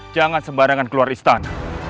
jangan sembarangan keluar istana